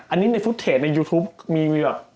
อันนี้ในฟุตเทจในยูทูปมีเรื่อง